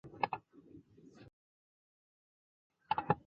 曾担任中国人民解放军成都军区某师师长。